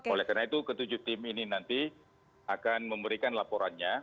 oleh karena itu ketujuh tim ini nanti akan memberikan laporannya